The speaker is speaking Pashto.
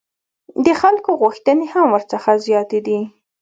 د خلکو غوښتنې هم ورڅخه زیاتې دي.